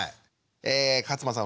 え勝間さん